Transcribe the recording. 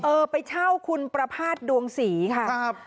เออไปเช่าคุณประพาทดวงสีค่ะ